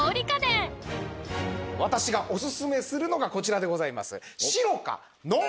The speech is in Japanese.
私がお薦めするのがこちらでございます。